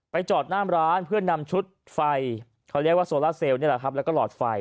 ไปจอดหน้ามร้านเพื่อนนำชุดไฟเขาเรียกว่าโซล่าเซลล์แล้วก็หลอดไฟ